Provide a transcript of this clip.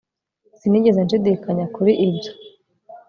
Sinigeze nshidikanya kuri ibyo